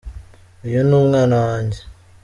Uyu ni umwana wanjye.